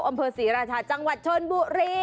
อำเภอศรีราชาจังหวัดชนบุรี